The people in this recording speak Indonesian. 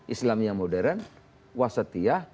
islam yang modern wasatiyah